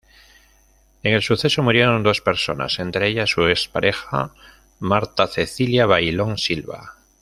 En el suceso murieron dos personas, entre ellas su expareja, Martha Cecilia Baylón Silva.